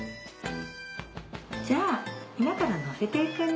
じゃあ今からのせていくね。